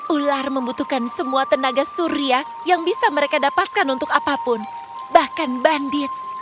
ular membutuhkan semua tenaga surya yang bisa mereka dapatkan untuk apapun bahkan bandit